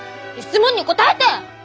質問に答えて！